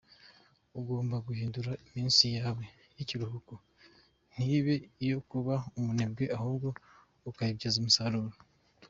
Ugomba guhindura iminsi yawe y’ikiruhuko ntibe iyo kuba umunebwe ahubwo ukayibyaza umusaruro.